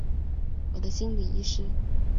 我的心理医师